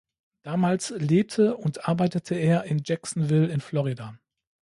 Damals lebte und arbeitete er in Jacksonville in Florida.